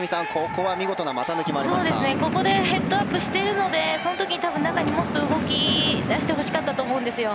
ここでヘッドアップしてるのでその時、中にもっと動きを出してほしかったと思うんですよ。